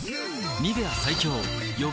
「ニベア」最強予防